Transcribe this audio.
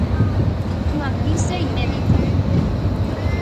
Unha crise inédita.